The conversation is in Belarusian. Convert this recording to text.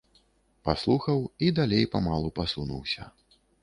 Паслухаў і далей памалу пасунуўся.